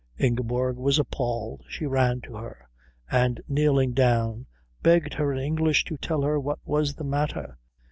Ingeborg was appalled. She ran to her, and, kneeling down, begged her in English to tell her what was the matter.